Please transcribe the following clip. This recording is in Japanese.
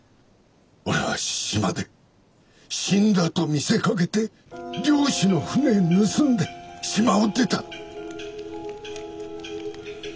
俺は島で死んだと見せかけて漁師の舟盗んで島を出た。